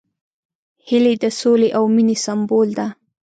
هیلۍ د سولې او مینې سمبول ده